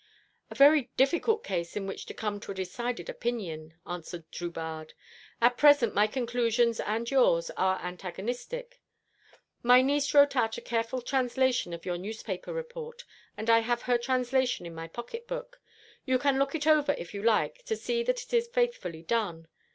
"A very difficult case in which to come to a decided opinion," answered Drubarde. "At present my conclusions and yours are antagonistic. My niece wrote out a careful translation of your newspaper report. I have her translation in my pocket book. You can look it over if you like, to see that it is faithfully done.